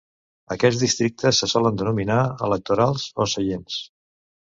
Aquests districtes se solen denominar "electorats" o "seients".